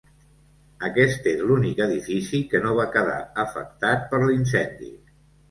Aquest és l'únic edifici que no va quedar afectat per l'incendi.